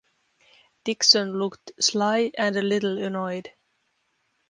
Dickson looked sly and a little annoyed.